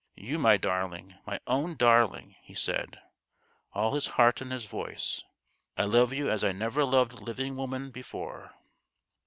u My darling, my own darling," he said, all his heart in his voice ;" I love you as I never loved living woman before."